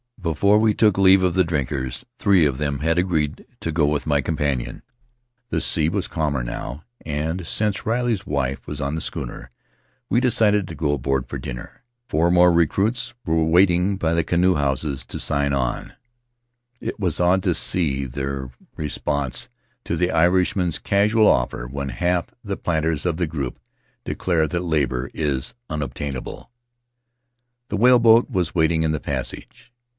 Before we took leave of the drinkers three of them had agreed to go with my companion. The sea was calmer now, and, since Riley's wife was on the schooner, we decided to go aboard for dinner. Four more recruits were waiting by the canoe houses to sign on — it was odd to see their response to the Irishman's casual offer when half the planters of the group declare that labor is unobtainable. The whaleboat was waiting in the passage.